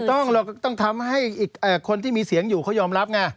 ไม่ต้องเราก็ต้องทำให้คนที่มีเสียงอยู่เขายอมรับ